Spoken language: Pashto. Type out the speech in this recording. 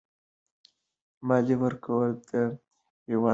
مالیه ورکول د هېواد په ګټه دي.